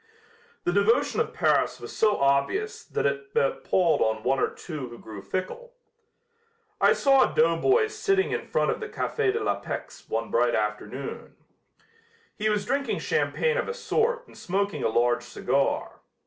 The devotion of Paris was so obvious that it palled on one or two who grew fickle. I saw a doughboy sitting in front of the Café de la Paix one bright afternoon. He was drinking champagne of a sort and smoking a large cigar.